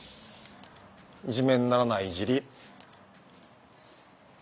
「いじめ」にならない「いじり」。